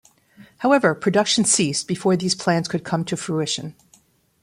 However, production ceased before these plans could come to fruition.